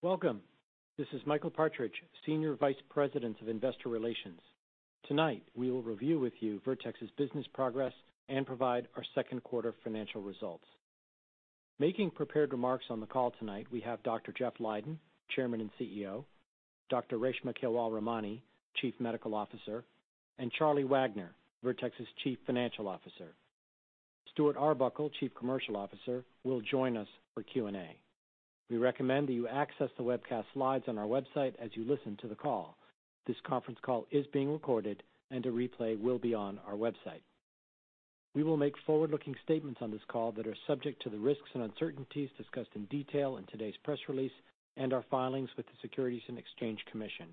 Welcome. This is Michael Partridge, Senior Vice President of Investor Relations. Tonight, we will review with you Vertex's business progress and provide our Q2 financial results. Making prepared remarks on the call tonight, we have Dr. Jeffrey Leiden, Chairman and CEO, Dr. Reshma Kewalramani, Chief Medical Officer, and Charles Wagner, Vertex's Chief Financial Officer. Stuart Arbuckle, Chief Commercial Officer, will join us for Q&A. We recommend that you access the webcast slides on our website as you listen to the call. This conference call is being recorded and a replay will be on our website. We will make forward-looking statements on this call that are subject to the risks and uncertainties discussed in detail in today's press release and our filings with the Securities and Exchange Commission.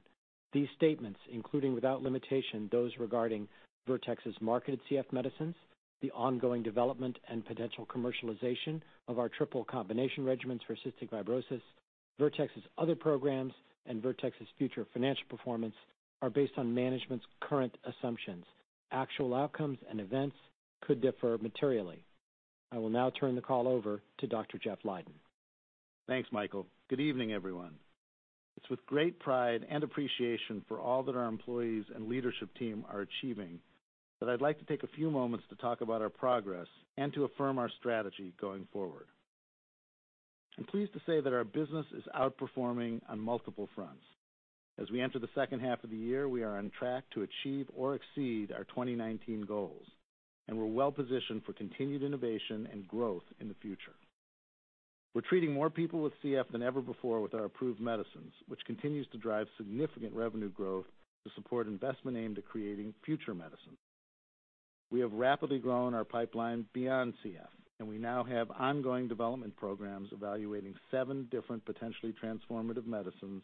These statements, including without limitation, those regarding Vertex's market CF medicines, the ongoing development and potential commercialization of our triple combination regimens for cystic fibrosis, Vertex's other programs, and Vertex's future financial performance are based on management's current assumptions. Actual outcomes and events could differ materially. I will now turn the call over to Dr. Jeffrey Leiden. Thanks, Michael. Good evening, everyone. It's with great pride and appreciation for all that our employees and leadership team are achieving that I'd like to take a few moments to talk about our progress and to affirm our strategy going forward. I'm pleased to say that our business is outperforming on multiple fronts. As we enter the second half of the year, we are on track to achieve or exceed our 2019 goals, and we're well-positioned for continued innovation and growth in the future. We're treating more people with CF than ever before with our approved medicines, Which continues to drive significant revenue growth to support investment aimed at creating future medicine. We have rapidly grown our pipeline beyond CF, and we now have ongoing development programs evaluating seven different potentially transformative medicines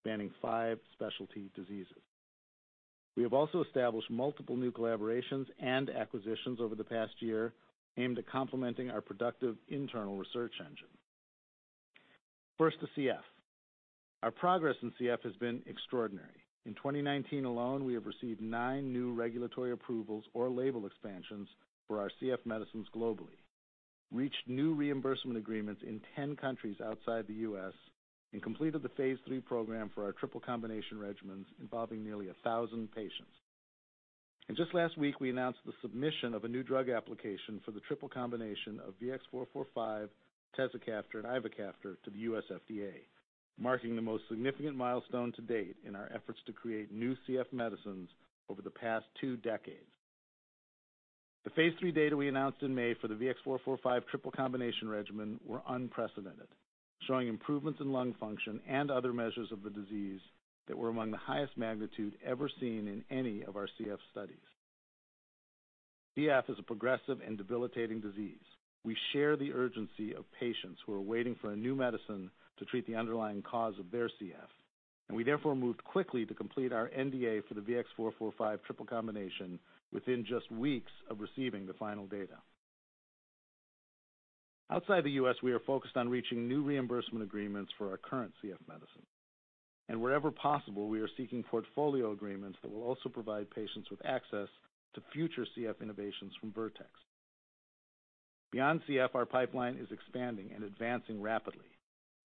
spanning five specialty diseases. We have also established multiple new collaborations and acquisitions over the past year aimed at complementing our productive internal research engine. First to CF. Our progress in CF has been extraordinary. In 2019 alone, we have received nine new regulatory approvals or label expansions for our CF medicines globally, Reached new reimbursement agreements in 10 countries outside the U.S., and completed the phase III program for our triple combination regimens involving nearly 1,000 patients. Just last week, we announced the submission of a new drug application for the triple combination of VX-445, tezacaftor and ivacaftor to the U.S. FDA, marking the most significant milestone to date in our efforts to create new CF medicines over the past two decades. The phase III data we announced in May for the VX-445 triple combination regimen were unprecedented, showing improvements in lung function and other measures of the disease that were among the highest magnitude ever seen in any of our CF studies. CF is a progressive and debilitating disease. We therefore moved quickly to complete our NDA for the VX-445 triple combination within just weeks of receiving the final data. Outside the U.S., we are focused on reaching new reimbursement agreements for our current CF medicines. Wherever possible, we are seeking portfolio agreements that will also provide patients with access to future CF innovations from Vertex. Beyond CF, our pipeline is expanding and advancing rapidly.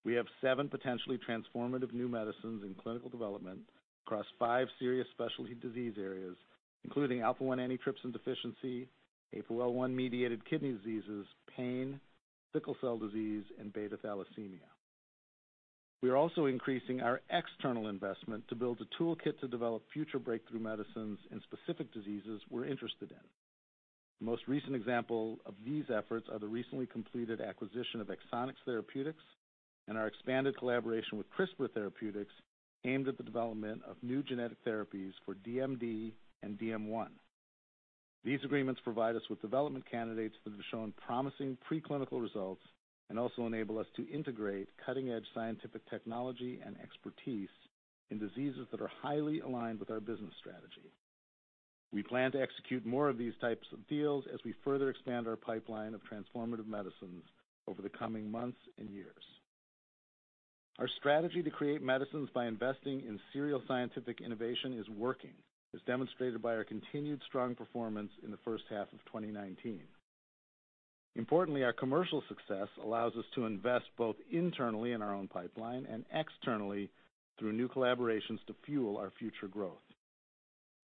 We have seven potentially transformative new medicines in clinical development across five serious specialty disease areas, including alpha-1 antitrypsin deficiency, APOL1-mediated kidney diseases, pain, sickle cell disease, and beta thalassemia. We are also increasing our external investment to build a toolkit to develop future breakthrough medicines in specific diseases we're interested in. The most recent example of these efforts are the recently completed acquisition of Exonics Therapeutics and our expanded collaboration with CRISPR Therapeutics aimed at the development of new genetic therapies for DMD and DM1. These agreements provide us with development candidates that have shown promising preclinical results and also enable us to integrate cutting-edge scientific technology and expertise in diseases that are highly aligned with our business strategy. We plan to execute more of these types of deals as we further expand our pipeline of transformative medicines over the coming months and years. Our strategy to create medicines by investing in serial scientific innovation is working, as demonstrated by our continued strong performance in the first half of 2019. Our commercial success allows us to invest both internally in our own pipeline and externally through new collaborations to fuel our future growth.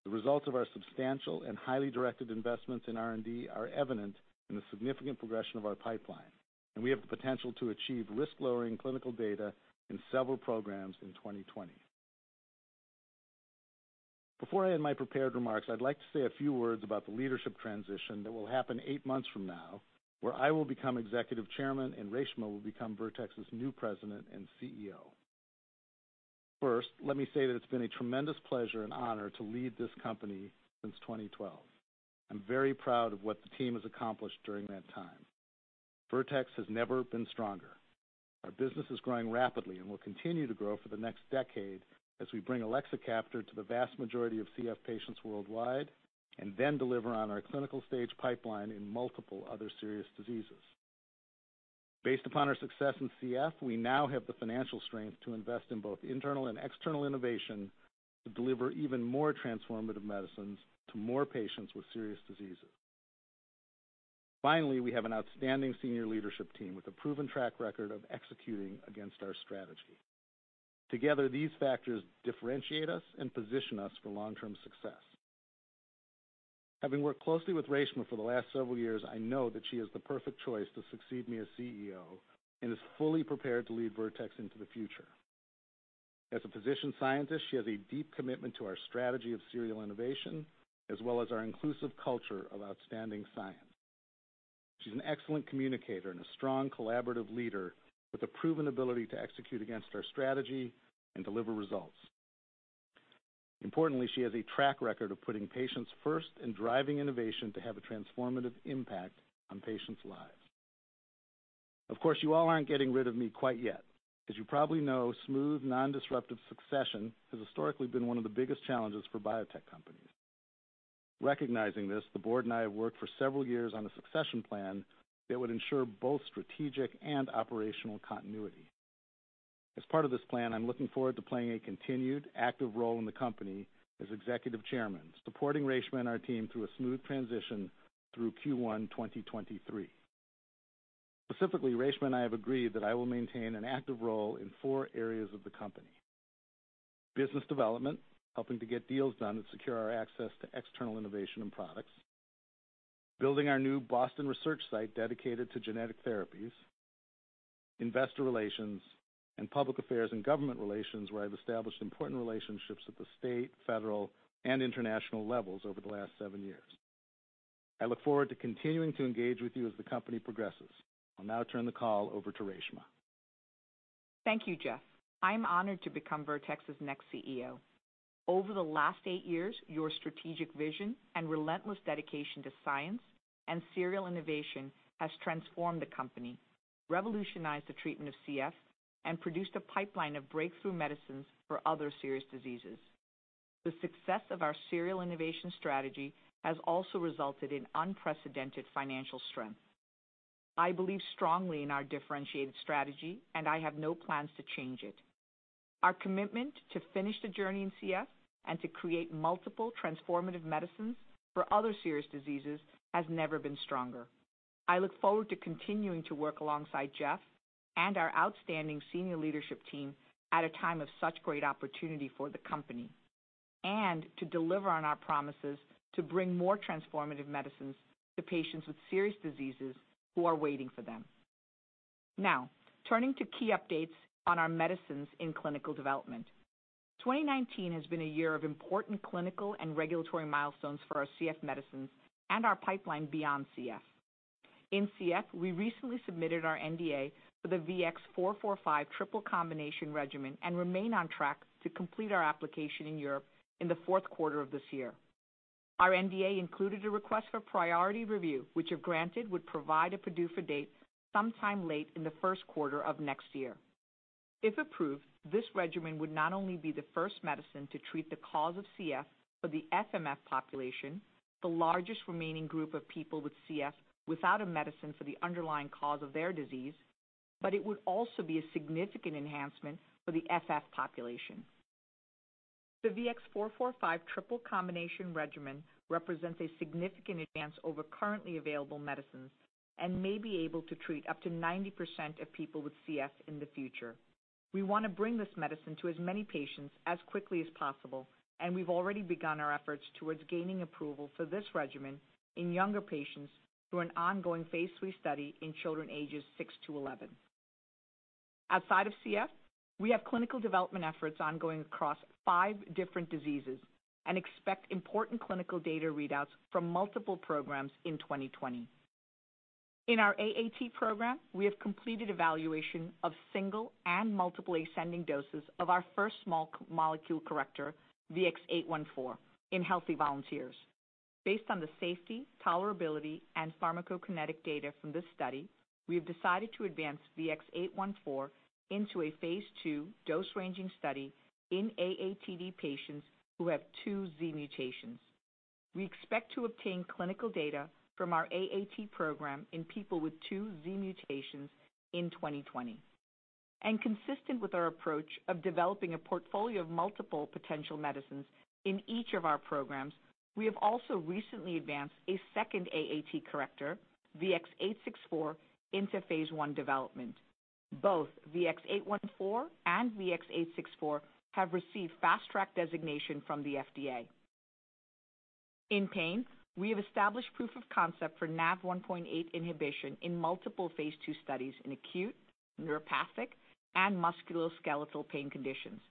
The results of our substantial and highly directed investments in R&D are evident in the significant progression of our pipeline. We have the potential to achieve risk-lowering clinical data in several programs in 2020. Before I end my prepared remarks, I'd like to say a few words about the leadership transition that will happen eight months from now, where I will become Executive Chairman and Reshma will become Vertex's new President and CEO. Let me say that it's been a tremendous pleasure and honor to lead this company since 2012. I'm very proud of what the team has accomplished during that time. Vertex has never been stronger. Our business is growing rapidly and will continue to grow for the next decade as we bring elexacaftor to the vast majority of CF patients worldwide and then deliver on our clinical stage pipeline in multiple other serious diseases. Based upon our success in CF, we now have the financial strength to invest in both internal and external innovation to deliver even more transformative medicines to more patients with serious diseases. We have an outstanding senior leadership team with a proven track record of executing against our strategy. Together, these factors differentiate us and position us for long-term success. Having worked closely with Reshma for the last several years, I know that she is the perfect choice to succeed me as CEO and is fully prepared to lead Vertex into the future. As a physician scientist, she has a deep commitment to our strategy of serial innovation, as well as our inclusive culture of outstanding science. She's an excellent communicator and a strong collaborative leader with a proven ability to execute against our strategy and deliver results. Importantly, she has a track record of putting patients first and driving innovation to have a transformative impact on patients' lives. Of course, you all aren't getting rid of me quite yet. As you probably know, smooth, non-disruptive succession has historically been one of the biggest challenges for biotech companies. Recognizing this, the board and I have worked for several years on a succession plan that would ensure both strategic and operational continuity. As part of this plan, I'm looking forward to playing a continued active role in the company as executive chairman, supporting Reshma and our team through a smooth transition through Q1 2023. Specifically, Reshma and I have agreed that I will maintain an active role in four areas of the company. Business development, helping to get deals done and secure our access to external innovation and products. Building our new Boston research site dedicated to genetic therapies, investor relations, and public affairs and government relations, Where I've established important relationships at the state, federal, and international levels over the last seven years. I look forward to continuing to engage with you as the company progresses. I'll now turn the call over to Reshma. Thank you, Jeffrey. I'm honored to become Vertex's next CEO. Over the last eight years, your strategic vision and relentless dedication to science and serial innovation has transformed the company, revolutionized the treatment of CF, and produced a pipeline of breakthrough medicines for other serious diseases. The success of our serial innovation strategy has also resulted in unprecedented financial strength. I believe strongly in our differentiated strategy, and I have no plans to change it. Our commitment to finish the journey in CF and to create multiple transformative medicines for other serious diseases has never been stronger. I look forward to continuing to work alongside Jeffrey and our outstanding senior leadership team at a time of such great opportunity for the company, and to deliver on our promises to bring more transformative medicines to patients with serious diseases who are waiting for them. Turning to key updates on our medicines in clinical development. 2019 has been a year of important clinical and regulatory milestones for our CF medicines and our pipeline beyond CF. In CF, we recently submitted our NDA for the VX-445 triple combination regimen and remain on track to complete our application in Europe in the Q4 of this year. Our NDA included a request for priority review, which if granted, would provide a PDUFA date sometime late in the Q1 of next year. If approved, this regimen would not only be the first medicine to treat the cause of CF for the F/MF population, the largest remaining group of people with CF without a medicine for the underlying cause of their disease, but it would also be a significant enhancement for the F/F population. The VX-445 triple combination regimen represents a significant advance over currently available medicines and may be able to treat up to 90% of people with CF in the future. We want to bring this medicine to as many patients as quickly as possible, and we've already begun our efforts towards gaining approval for this regimen in younger patients through an ongoing phase III study in children ages 6-11. Outside of CF, we have clinical development efforts ongoing across five different diseases and expect important clinical data readouts from multiple programs in 2020. In our AAT program, we have completed evaluation of single and multiple ascending doses of our first small molecule corrector, VX-814, in healthy volunteers. Based on the safety, tolerability, and pharmacokinetic data from this study, we have decided to advance VX-814 into a phase II dose-ranging study in AATD patients who have two Z mutations. We expect to obtain clinical data from our AAT program in people with two Z mutations in 2020. Consistent with our approach of developing a portfolio of multiple potential medicines in each of our programs, we have also recently advanced a second AAT corrector, VX-864, into phase I development. Both VX-814 and VX-864 have received Fast Track designation from the FDA. In pain, we have established proof of concept for NaV1.8 inhibition in multiple phase II studies in acute, neuropathic, and musculoskeletal pain conditions.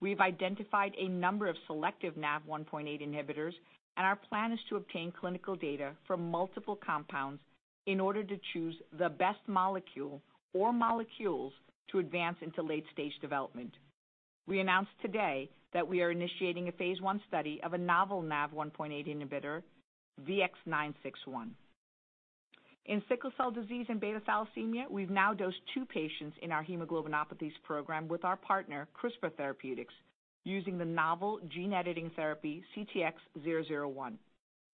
We have identified a number of selective NaV1.8 inhibitors, and our plan is to obtain clinical data from multiple compounds in order to choose the best molecule or molecules to advance into late-stage development. We announced today that we are initiating a phase I study of a novel NaV1.8 inhibitor, VX-961. In sickle cell disease and beta thalassemia, we've now dosed two patients in our hemoglobinopathies program with our partner, CRISPR Therapeutics, using the novel gene-editing therapy CTX001.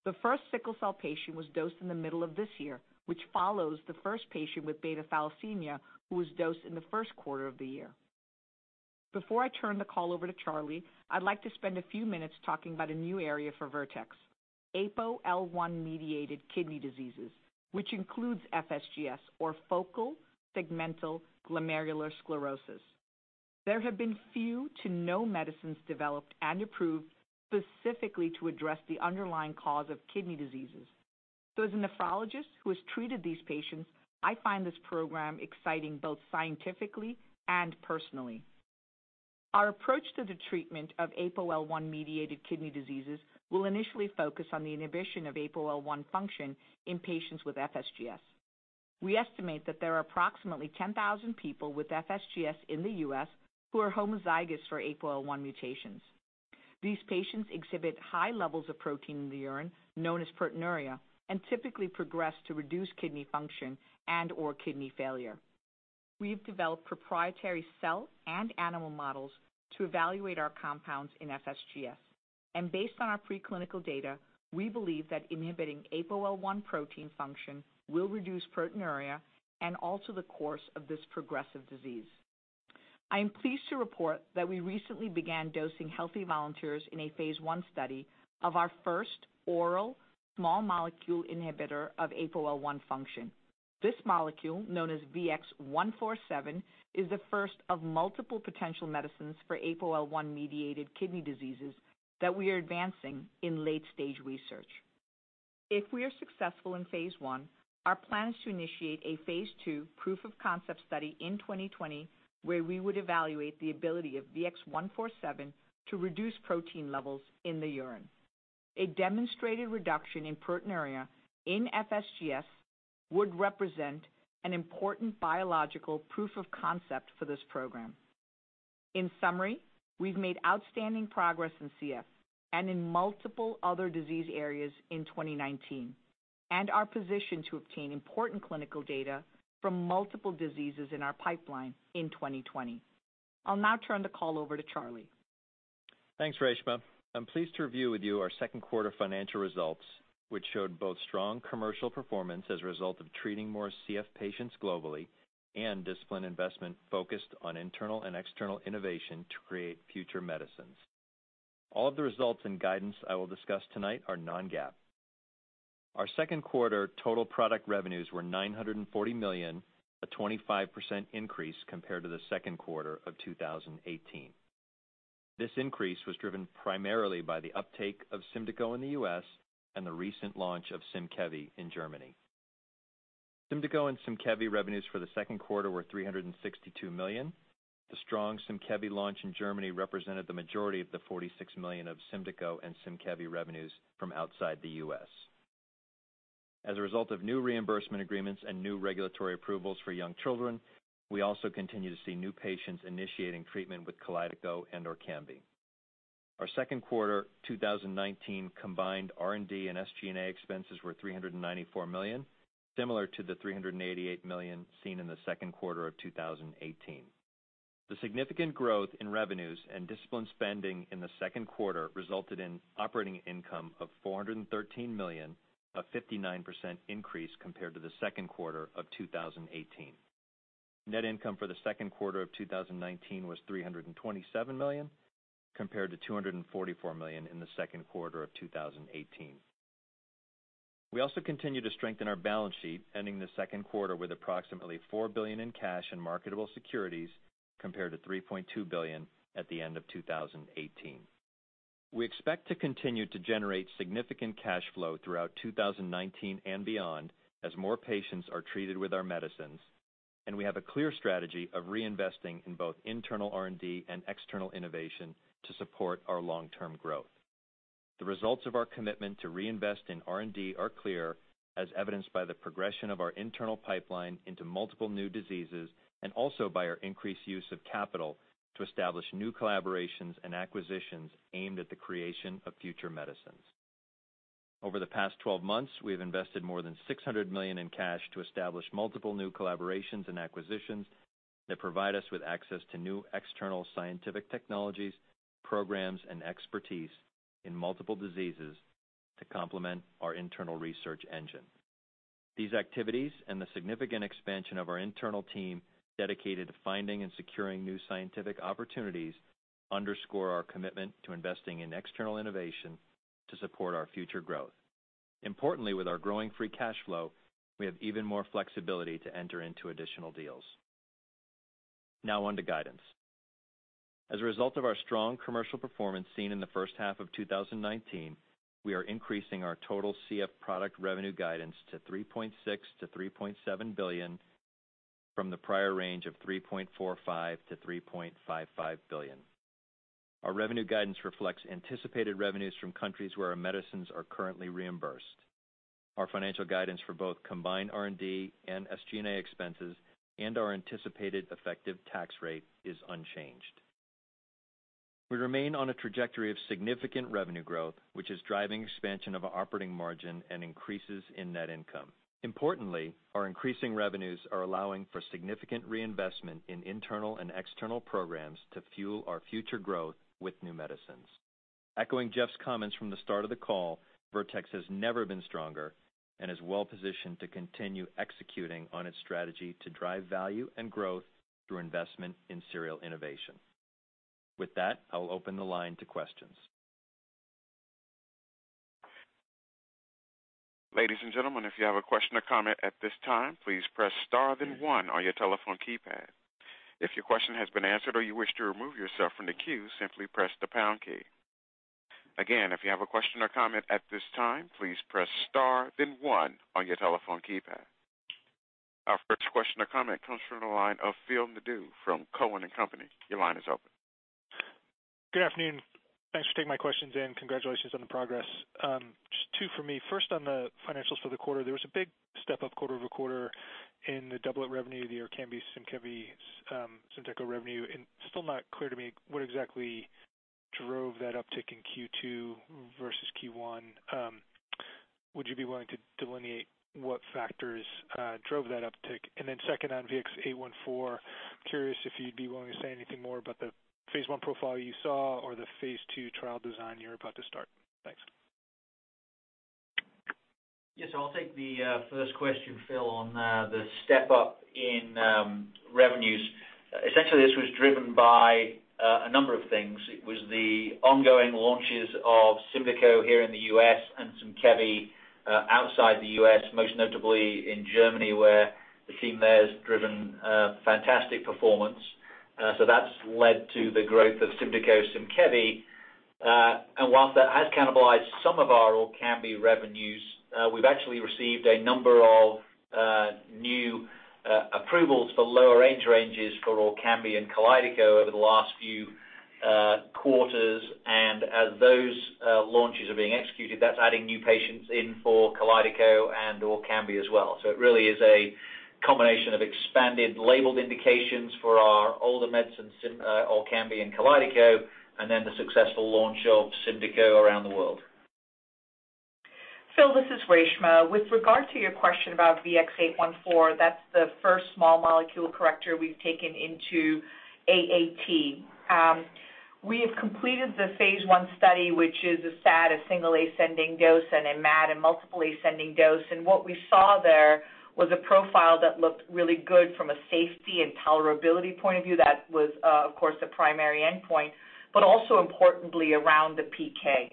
The first sickle cell patient was dosed in the middle of this year, which follows the first patient with beta thalassemia, who was dosed in the Q1 of the year. Before I turn the call over to Charles, I'd like to spend a few minutes talking about a new area for Vertex, APOL1-mediated kidney diseases, which includes FSGS or focal segmental glomerulosclerosis. There have been few to no medicines developed and approved specifically to address the underlying cause of kidney diseases. As a nephrologist who has treated these patients, I find this program exciting both scientifically and personally. Our approach to the treatment of APOL1-mediated kidney diseases will initially focus on the inhibition of APOL1 function in patients with FSGS. We estimate that there are approximately 10,000 people with FSGS in the U.S. who are homozygous for APOL1 mutations. These patients exhibit high levels of protein in the urine known as proteinuria and typically progress to reduced kidney function and/or kidney failure. We've developed proprietary cell and animal models to evaluate our compounds in FSGS. Based on our preclinical data, we believe that inhibiting APOL1 protein function will reduce proteinuria and alter the course of this progressive disease. I am pleased to report that we recently began dosing healthy volunteers in a phase I study of our first oral small molecule inhibitor of APOL1 function. This molecule, known as VX-147, is the first of multiple potential medicines for APOL1-mediated kidney diseases that we are advancing in late-stage research. If we are successful in phase I, our plan is to initiate a phase II proof-of-concept study in 2020, where we would evaluate the ability of VX-147 to reduce protein levels in the urine. A demonstrated reduction in proteinuria in FSGS would represent an important biological proof of concept for this program. In summary, we've made outstanding progress in CF and in multiple other disease areas in 2019 and are positioned to obtain important clinical data from multiple diseases in our pipeline in 2020. I'll now turn the call over to Charles. Thanks, Reshma. I'm pleased to review with you our Q2 financial results, which showed both strong commercial performance as a result of treating more CF patients globally and disciplined investment focused on internal and external innovation to create future medicines. All of the results and guidance I will discuss tonight are non-GAAP. Our Q2 total product revenues were $940 million, a 25% increase compared to the Q2 of 2018. This increase was driven primarily by the uptake of SYMDEKO in the U.S. and the recent launch of SYMKEVI in Germany. SYMDEKO and SYMKEVI revenues for the Q2 were $362 million. The strong SYMKEVI launch in Germany represented the majority of the $46 million of SYMDEKO and SYMKEVI revenues from outside the U.S. As a result of new reimbursement agreements and new regulatory approvals for young children, we also continue to see new patients initiating treatment with KALYDECO and/or ORKAMBI. Our Q2 2019 combined R&D and SG&A expenses were $394 million, similar to the $388 million seen in the Q2 of 2018. The significant growth in revenues and disciplined spending in the Q2 resulted in operating income of $413 million, a 59% increase compared to the Q2 of 2018. Net income for the Q2 of 2019 was $327 million, compared to $244 million in the Q2 of 2018. We also continue to strengthen our balance sheet, ending the Q2 with approximately $4 billion in cash and marketable securities, compared to $3.2 billion at the end of 2018. We expect to continue to generate significant cash flow throughout 2019 and beyond as more patients are treated with our medicines. We have a clear strategy of reinvesting in both internal R&D and external innovation to support our long-term growth. The results of our commitment to reinvest in R&D are clear, as evidenced by the progression of our internal pipeline into multiple new diseases and also by our increased use of capital to establish new collaborations and acquisitions aimed at the creation of future medicines. Over the past 12 months, we have invested more than $600 million in cash to establish multiple new collaborations and acquisitions that provide us with access to new external scientific technologies, programs, and expertise in multiple diseases to complement our internal research engine. These activities and the significant expansion of our internal team dedicated to finding and securing new scientific opportunities underscore our commitment to investing in external innovation to support our future growth. Importantly, with our growing free cash flow, we have even more flexibility to enter into additional deals. On to guidance. As a result of our strong commercial performance seen in the first half of 2019, we are increasing our total CF product revenue guidance to $3.6 billion-$3.7 billion from the prior range of $3.45 billion-$3.55 billion. Our revenue guidance reflects anticipated revenues from countries where our medicines are currently reimbursed. Our financial guidance for both combined R&D and SG&A expenses and our anticipated effective tax rate is unchanged. We remain on a trajectory of significant revenue growth, which is driving expansion of operating margin and increases in net income. Importantly, our increasing revenues are allowing for significant reinvestment in internal and external programs to fuel our future growth with new medicines. Echoing Jeffrey's comments from the start of the call, Vertex has never been stronger and is well-positioned to continue executing on its strategy to drive value and growth through investment in serial innovation. With that, I will open the line to questions. Ladies and gentlemen, if you have a question or comment at this time, please press star, then one on your telephone keypad. If your question has been answered or you wish to remove yourself from the queue, simply press the pound key. Again, if you have a question or comment at this time, please press star, then one on your telephone keypad. Our first question or comment comes from the line of Phil Nadeau from Cowen and Company. Your line is open. Good afternoon. Thanks for taking my questions. Congratulations on the progress. Just two for me. First, on the financials for the quarter, there was a big step-up quarter-over-quarter in the double of revenue, the ORKAMBI, SYMKEVI, SYMDEKO revenue. Still not clear to me what exactly drove that uptick in Q2 versus Q1. Would you be willing to delineate what factors drove that uptick? Second on VX-814, curious if you'd be willing to say anything more about the phase I profile you saw or the phase II trial design you're about to start. Thanks. Yes. I'll take the first question, Phil, on the step-up in revenues. Essentially, this was driven by a number of things. It was the ongoing launches of SYMDEKO here in the U.S. and SYMKEVI outside the U.S., most notably in Germany, where the team there has driven fantastic performance. That's led to the growth of SYMDEKO, SYMKEVI. Whilst that has cannibalized some of our ORKAMBI revenues, we've actually received a number of new approvals for lower age ranges for ORKAMBI and KALYDECO over the last few quarters. As those launches are being executed, that's adding new patients in for KALYDECO and ORKAMBI as well. It really is a combination of expanded labeled indications for our older medicine, ORKAMBI and KALYDECO, and then the successful launch of SYMDEKO around the world. Phil, this is Reshma. With regard to your question about VX-814, that's the first small molecule corrector we've taken into AAT. We have completed the phase I study, which is a SAD, a single ascending dose, and a MAD, a multiple ascending dose. What we saw there was a profile that looked really good from a safety and tolerability point of view. That was, of course, the primary endpoint, also importantly around the PK.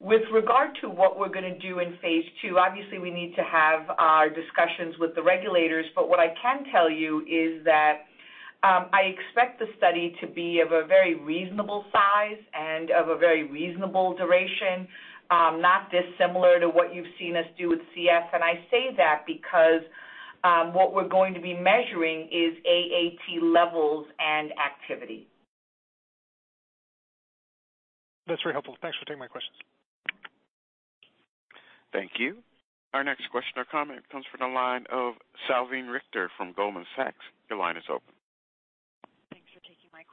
With regard to what we're going to do in phase II, obviously, we need to have our discussions with the regulators, but what I can tell you is that I expect the study to be of a very reasonable size and of a very reasonable duration, not dissimilar to what you've seen us do with CF. I say that because what we're going to be measuring is AAT levels and activity. That's very helpful. Thanks for taking my questions. Thank you. Our next question or comment comes from the line of Salveen Richter from Goldman Sachs. Your line is open.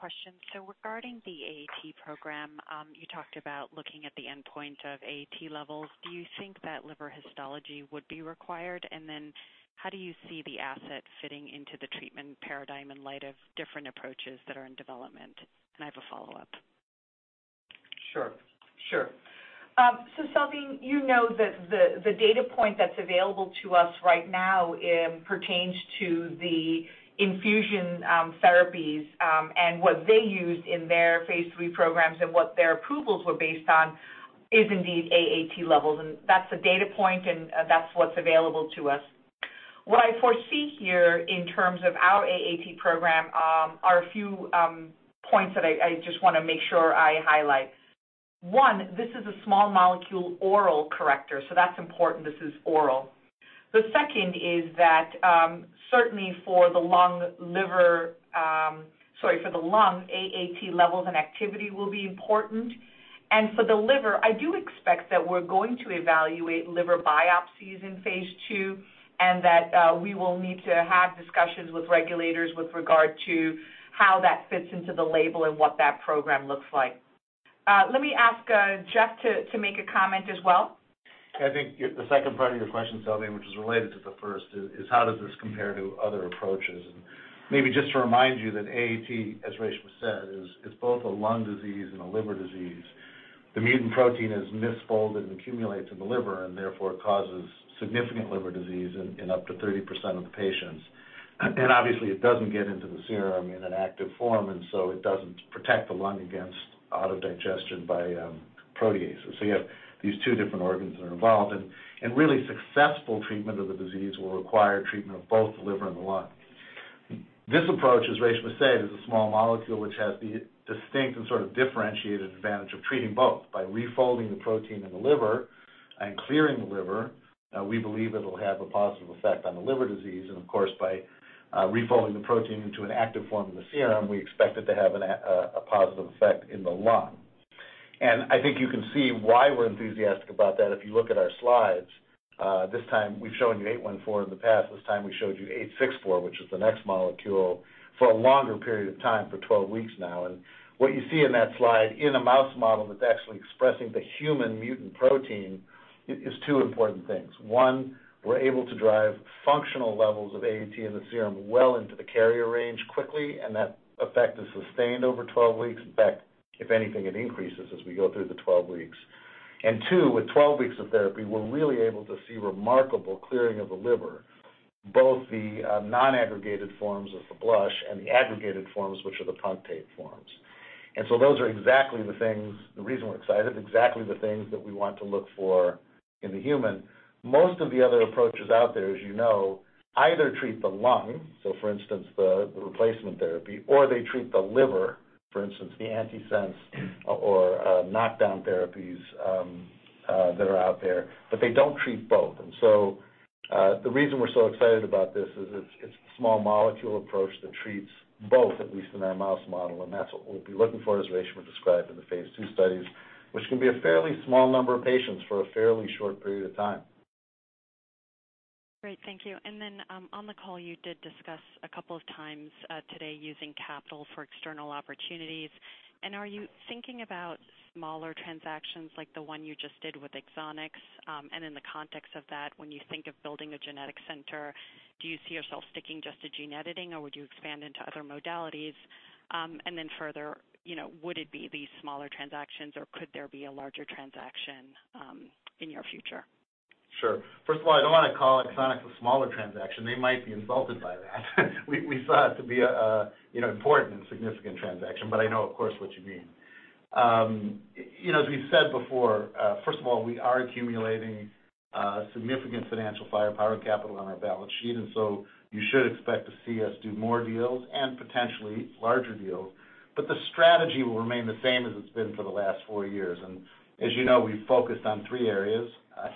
Thanks for taking my question. Regarding the AAT program, you talked about looking at the endpoint of AAT levels. Do you think that liver histology would be required? How do you see the asset fitting into the treatment paradigm in light of different approaches that are in development? I have a follow-up. Sure. Salveen, you know that the data point that's available to us right now pertains to the infusion therapies and what they used in their phase III programs and what their approvals were based on is indeed AAT levels, and that's the data point, and that's what's available to us. What I foresee here in terms of our AAT program are a few points that I just want to make sure I highlight. One, this is a small molecule oral corrector, so that's important. This is oral. The second is that certainly for the lung AAT levels and activity will be important. For the liver, I do expect that we're going to evaluate liver biopsies in phase II, and that we will need to have discussions with regulators with regard to how that fits into the label and what that program looks like. Let me ask Jeffrey to make a comment as well. I think the second part of your question, Salveen, which is related to the first, is how does this compare to other approaches? Maybe just to remind you that AAT, as Reshma said, is both a lung disease and a liver disease. The mutant protein is misfolded and accumulates in the liver and therefore causes significant liver disease in up to 30% of the patients. Obviously, it doesn't get into the serum in an active form, and so it doesn't protect the lung against auto-digestion by proteases. You have these two different organs that are involved, and really successful treatment of the disease will require treatment of both the liver and the lung. This approach, as Reshma said, is a small molecule, which has the distinct and sort of differentiated advantage of treating both by refolding the protein in the liver and clearing the liver. We believe it'll have a positive effect on the liver disease. Of course, by refolding the protein into an active form in the serum, we expect it to have a positive effect in the lung. I think you can see why we're enthusiastic about that if you look at our slides. This time, we've shown you VX-814 in the past. This time, we showed you VX-864, which is the next molecule for a longer period of time, for 12 weeks now. What you see in that slide in a mouse model that's actually expressing the human mutant protein is two important things. One, we're able to drive functional levels of AAT in the serum well into the carrier range quickly, and that effect is sustained over 12 weeks. In fact, if anything, it increases as we go through the 12 weeks. Two, with 12 weeks of therapy, we're really able to see remarkable clearing of the liver, both the non-aggregated forms of the blush and the aggregated forms, which are the punctate forms. Those are the reason we're excited, exactly the things that we want to look for in the human. Most of the other approaches out there, as you know, either treat the lung, so for instance, The replacement therapy, or they treat the liver, for instance, the antisense or knockdown therapies that are out there, but they don't treat both. The reason we're so excited about this is it's the small molecule approach that treats both, at least in our mouse model, and that's what we'll be looking for, as Reshma described, in the phase II studies, which can be a fairly small number of patients for a fairly short period of time. Great, thank you. On the call, you did discuss a couple of times today using capital for external opportunities. Are you thinking about smaller transactions like the one you just did with Exonics? In the context of that, when you think of building a genetic center, do you see yourself sticking just to gene editing, or would you expand into other modalities? Further, would it be these smaller transactions, or could there be a larger transaction in your future? Sure. First of all, I don't want to call Exonics a smaller transaction. They might be insulted by that. We saw it to be an important and significant transaction, but I know, of course, what you mean. As we've said before, first of all, we are accumulating significant financial firepower capital on our balance sheet. You should expect to see us do more deals and potentially larger deals. The strategy will remain the same as it's been for the last four years. As you know, we've focused on three areas.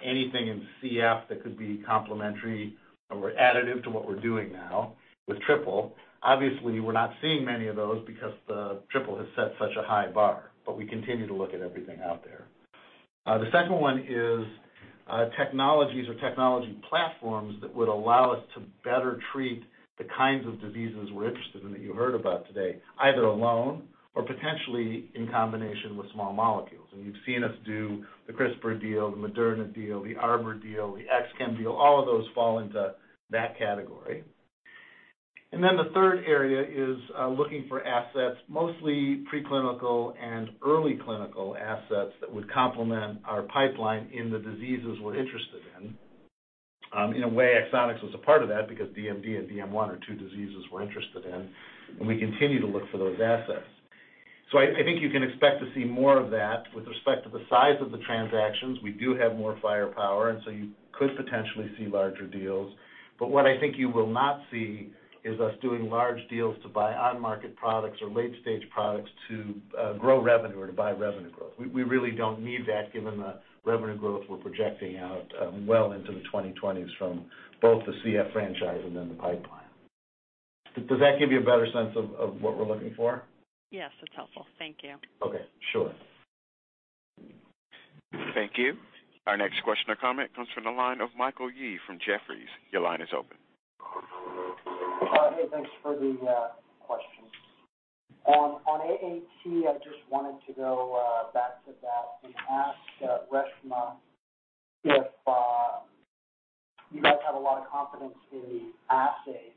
Anything in CF that could be complementary or additive to what we're doing now with triple. Obviously, we're not seeing many of those because the triple has set such a high bar, but we continue to look at everything out there. The second one is technologies or technology platforms that would allow us to better treat the kinds of diseases we're interested in, that you heard about today, either alone or potentially in combination with small molecules. You've seen us do the CRISPR deal, the Moderna deal, the Arbor deal, the Exonics deal. All of those fall into that category. The third area is looking for assets, mostly preclinical and early clinical assets that would complement our pipeline in the diseases we're interested in. In a way, Exonics was a part of that because DMD and DM1 are two diseases we're interested in, and we continue to look for those assets. I think you can expect to see more of that. With respect to the size of the transactions, we do have more firepower, and so you could potentially see larger deals. What I think you will not see is us doing large deals to buy on-market products or late-stage products to grow revenue or to buy revenue growth. We really don't need that given the revenue growth we're projecting out well into the 2020s from both the CF franchise and then the pipeline. Does that give you a better sense of what we're looking for? Yes. That's helpful. Thank you. Okay. Sure. Thank you. Our next question or comment comes from the line of Michael Yee from Jefferies. Your line is open. Hey, thanks for the questions. On AAT, I just wanted to go back to that and ask Reshma if you guys have a lot of confidence in the assays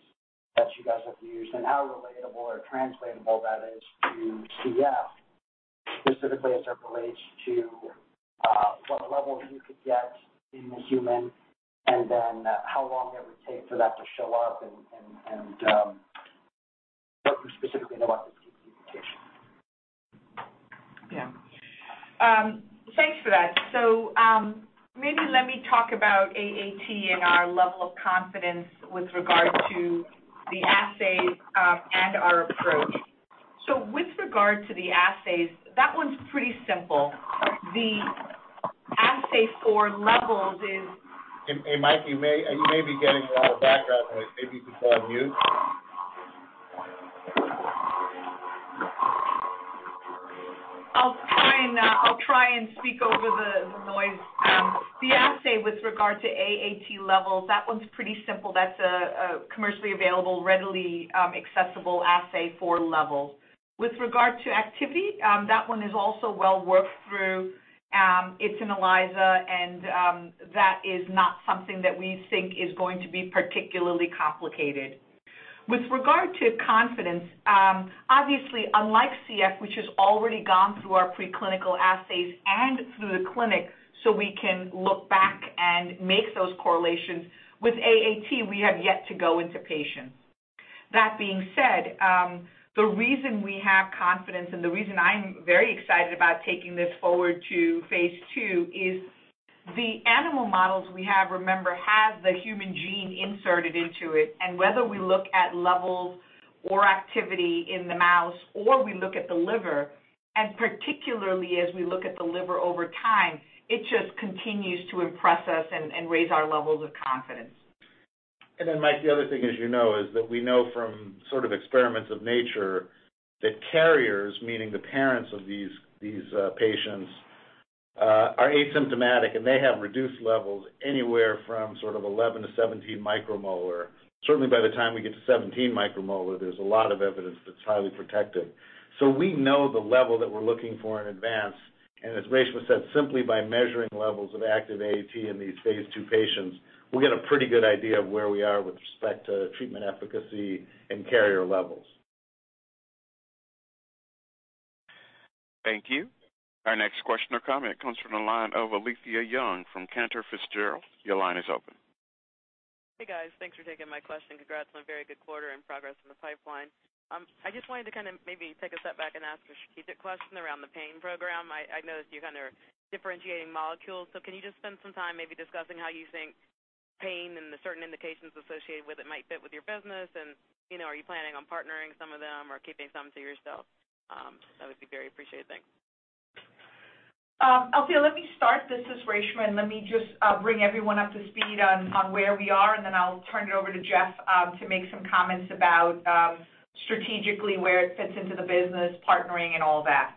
that you guys have used and how relatable or translatable that is to CF, specifically as it relates to what levels you could get in the human, and then how long it would take for that to show up and what you specifically know about this? Yeah. Thanks for that. Maybe let me talk about AAT and our level of confidence with regard to the assay and our approach. With regard to the assays, that one's pretty simple. The assay for levels is. Hey, Michael, you may be getting a lot of background noise. Maybe you should go on mute. I'll try and speak over the noise. The assay with regard to AAT levels, that one's pretty simple. That's a commercially available, readily accessible assay for levels. With regard to activity, that one is also well worked through. It's an ELISA, and that is not something that we think is going to be particularly complicated. With regard to confidence, obviously unlike CF, which has already gone through our preclinical assays and through the clinic, so we can look back and make those correlations, with AAT, we have yet to go into patients. That being said, the reason we have confidence and the reason I'm very excited about taking this forward to phase II is the animal models we have, remember, have the human gene inserted into it, and whether we look at levels or activity in the mouse, or we look at the liver, and particularly as we look at the liver over time, it just continues to impress us and raise our levels of confidence. Michael, the other thing, as you know, is that we know from sort of experiments of nature that carriers, meaning the parents of these patients, are asymptomatic, and they have reduced levels anywhere from sort of 11-17 micromolar. Certainly, by the time we get to 17 micromolar, there's a lot of evidence that it's highly protective. We know the level that we're looking for in advance, and as Reshma said, simply by measuring levels of active AAT in these phase II patients, we'll get a pretty good idea of where we are with respect to treatment efficacy and carrier levels. Thank you. Our next question or comment comes from the line of Alethia Young from Cantor Fitzgerald. Your line is open. Hey, guys. Thanks for taking my question. Congrats on a very good quarter and progress in the pipeline. I just wanted to maybe take a step back and ask a strategic question around the pain program. I noticed you're differentiating molecules. Can you just spend some time maybe discussing how you think pain and the certain indications associated with it might fit with your business and, are you planning on partnering some of them or keeping some to yourself? That would be very appreciated. Thanks. Alethia, let me start. This is Reshma, let me just bring everyone up to speed on where we are, then I'll turn it over to Jeffrey to make some comments about strategically where it fits into the business, partnering and all that.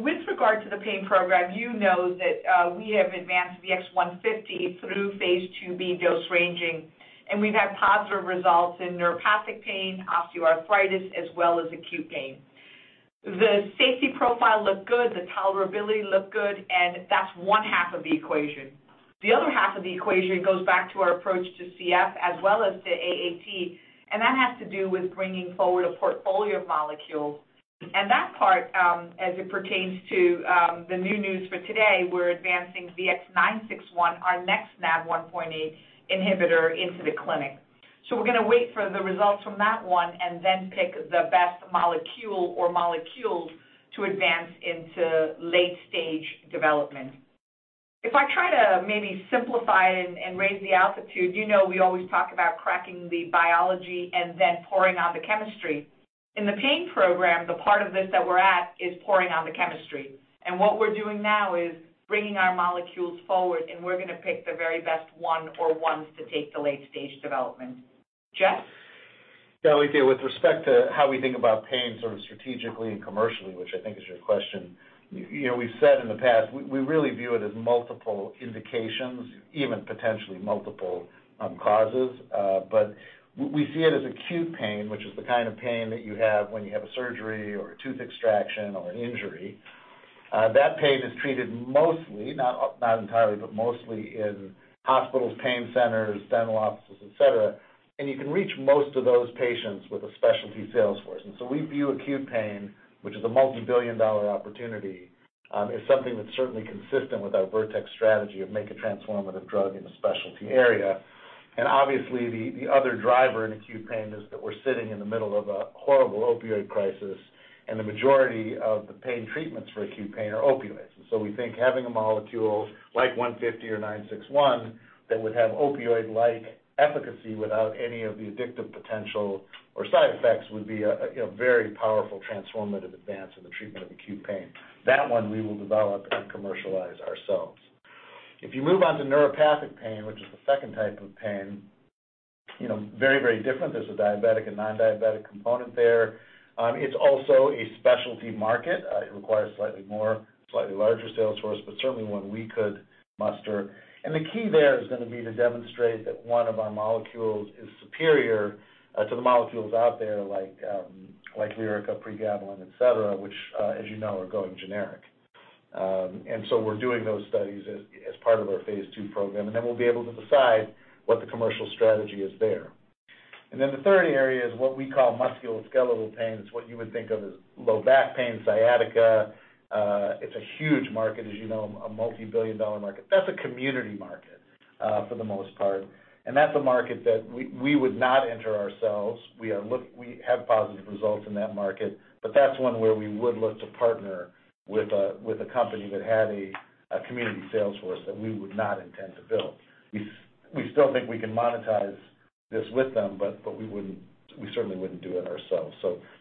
With regard to the pain program, you know that we have advanced VX-150 through Phase IIb dose ranging, and we've had positive results in neuropathic pain, osteoarthritis, as well as acute pain. The safety profile looked good, the tolerability looked good, and that's one half of the equation. The other half of the equation goes back to our approach to CF as well as to AAT, and that has to do with bringing forward a portfolio of molecules. That part, as it pertains to the new news for today, we're advancing VX-961, our next NaV1.8 inhibitor, into the clinic. We're going to wait for the results from that one and then pick the best molecule or molecules to advance into late-stage development. If I try to maybe simplify and raise the altitude, you know we always talk about cracking the biology and then pouring on the chemistry. In the pain program, the part of this that we're at is pouring on the chemistry. What we're doing now is bringing our molecules forward, and we're going to pick the very best one or ones to take to late-stage development. Jeffrey? Yeah, Alethia, with respect to how we think about pain sort of strategically and commercially, which I think is your question. We've said in the past, we really view it as multiple indications, even potentially multiple causes. We see it as acute pain, which is the kind of pain that you have when you have a surgery or a tooth extraction or an injury. That pain is treated mostly, not entirely, but mostly in hospitals, pain centers, dental offices, et cetera, and you can reach most of those patients with a specialty sales force. We view acute pain, which is a multi-billion dollar opportunity, as something that's certainly consistent with our Vertex strategy of make a transformative drug in a specialty area. Obviously, the other driver in acute pain is that we're sitting in the middle of a horrible opioid crisis, and the majority of the pain treatments for acute pain are opioids. We think having a molecule like 150 or 961 that would have opioid-like efficacy without any of the addictive potential or side effects would be a very powerful transformative advance in the treatment of acute pain. That one we will develop and commercialize ourselves. If you move on to neuropathic pain, which is the second type of pain, very different. There's a diabetic and non-diabetic component there. It's also a specialty market. It requires slightly larger sales force, but certainly one we could muster. The key there is going to be to demonstrate that one of our molecules is superior to the molecules out there like Lyrica, pregabalin, et cetera, which, as you know, are going generic. We're doing those studies as part of our phase II program, and then we'll be able to decide what the commercial strategy is there. The third area is what we call musculoskeletal pain. It's what you would think of as low back pain, sciatica. It's a huge market, as you know, a multi-billion dollar market. That's a community market for the most part. That's a market that we would not enter ourselves. We have positive results in that market, but that's one where we would look to partner with a company that had a community sales force that we would not intend to build. We still think we can monetize this with them, but we certainly wouldn't do it ourselves.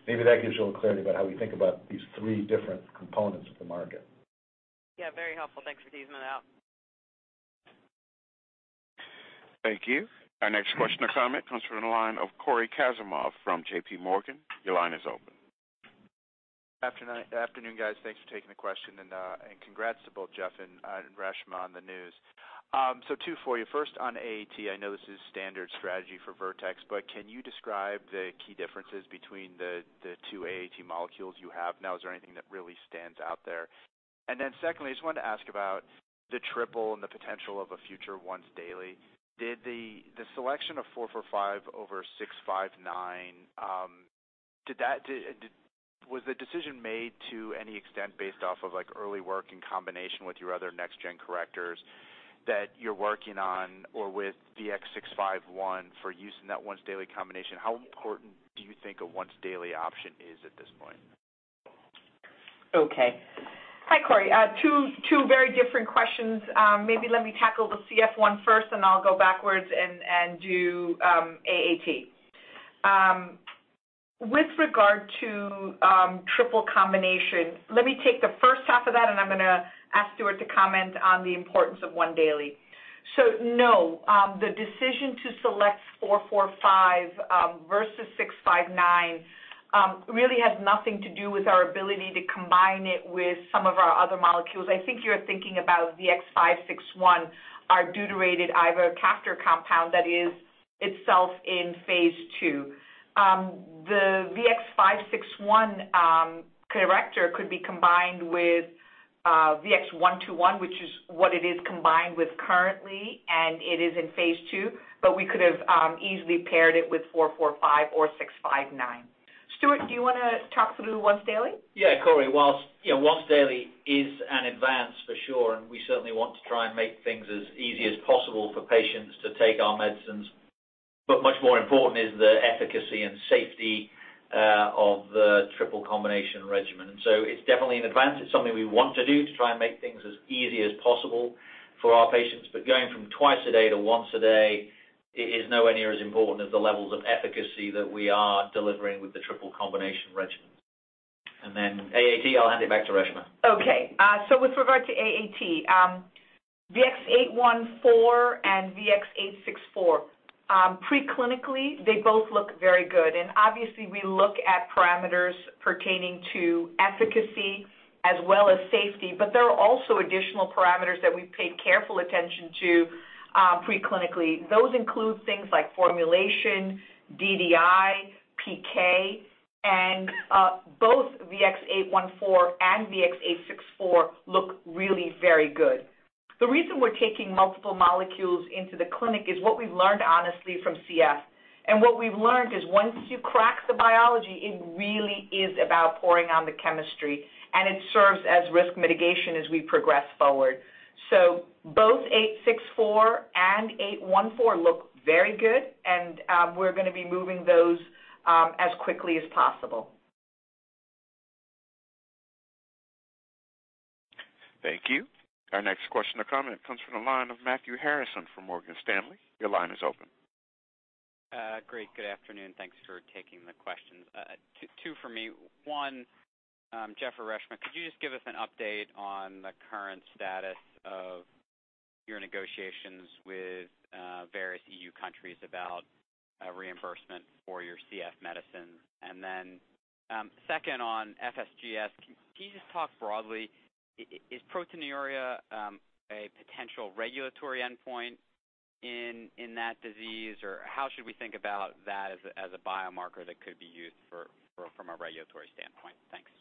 Maybe that gives you a little clarity about how we think about these three different components of the market. Yeah, very helpful. Thanks for teasing it out. Thank you. Our next question or comment comes from the line of Cory Kasimov from JPMorgan. Your line is open. Afternoon, guys. Thanks for taking the question, and congrats to both Jeffrey and Reshma on the news. Two for you. First on AAT, I know this is standard strategy for Vertex, but can you describe the key differences between the two AAT molecules you have now? Is there anything that really stands out there? Secondly, I just wanted to ask about the triple and the potential of a future once-daily. Did the selection of 445 over 659, was the decision made to any extent based off of early work in combination with your other next-gen correctors that you're working on or with VX-651 for use in that once-daily combination? How important do you think a once-daily option is at this point? Okay. Hi, Cory. Two very different questions. Maybe let me tackle the CF one first, and I'll go backwards and do AAT. With regard to triple combination, let me take the first half of that, and I'm going to ask Stuart to comment on the importance of one daily. No, the decision to select VX-445 versus VX-659 really has nothing to do with our ability to combine it with some of our other molecules. I think you're thinking about VX-561, our deuterated ivacaftor compound that is itself in phase II. The VX-561 corrector could be combined with VX-121, which is what it is combined with currently, and it is in phase II, but we could have easily paired it with VX-445 or VX-659. Stuart, do you want to talk through once daily? Cory. Whilst once daily is an advance for sure, and we certainly want to try and make things as easy as possible for patients to take our medicines, but much more important is the efficacy and safety of the triple combination regimen. It's definitely an advance. It's something we want to do to try and make things as easy as possible for our patients, but going from twice a day to once a day is nowhere near as important as the levels of efficacy that we are delivering with the triple combination regimen. AAT, I'll hand it back to Reshma. With regard to AAT, VX-814 and VX-864. Pre-clinically, they both look very good, and obviously we look at parameters pertaining to efficacy as well as safety, but there are also additional parameters that we've paid careful attention to pre-clinically. Those include things like formulation, DDI, PK, and both VX-814 and VX-864 look really very good. The reason we're taking multiple molecules into the clinic is what we've learned, honestly, from CF. What we've learned is once you crack the biology, it really is about pouring on the chemistry, and it serves as risk mitigation as we progress forward. Both 864 and 814 look very good and we're going to be moving those as quickly as possible. Thank you. Our next question or comment comes from the line of Matthew Harrison from Morgan Stanley. Your line is open. Great. Good afternoon. Thanks for taking the questions. Two for me. One, Jeffrey or Reshma, could you just give us an update on the current status of your negotiations with various EU countries about reimbursement for your CF medicines? Second on FSGS, can you just talk broadly, is proteinuria a potential regulatory endpoint in that disease, or how should we think about that as a biomarker that could be used from a regulatory standpoint? Thanks.